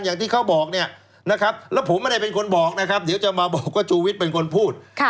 อย่างที่เขาบอกแล้วผมไม่ได้เป็นคนบอกนะครับเดี๋ยวจะมาบอกก็จูวิจเป็นคนพูด